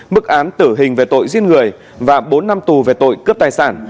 mức án tử hình về tội giết người và bốn năm tù về tội cướp tài sản